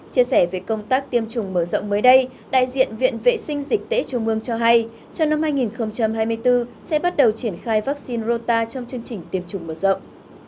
chia sẻ về công tác tiêm chủng mở rộng mới đây đại diện viện vệ sinh dịch tễ trung ương cho hay trong năm hai nghìn hai mươi bốn sẽ bắt đầu triển khai vaccine rota trong chương trình tiêm chủng mở rộng